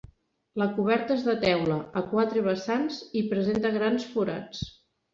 La coberta és de teula, a quatre vessants i presenta grans forats.